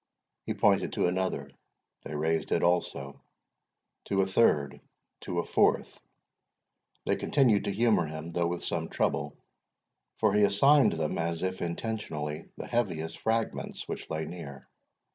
He pointed to another they raised it also to a third, to a fourth they continued to humour him, though with some trouble, for he assigned them, as if intentionally, the heaviest fragments which lay near.